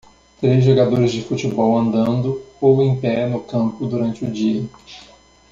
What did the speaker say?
Três jogadores de futebol andando ou em pé no campo durante o dia.